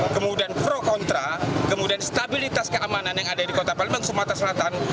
kemudian pro kontra kemudian stabilitas keamanan yang ada di kota palembang sumatera selatan